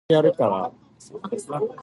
兄弟，你好香